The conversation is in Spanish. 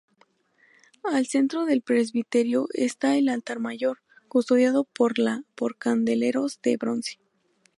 Al centro del presbiterio está el Altar Mayor, custodiado por candeleros de bronce.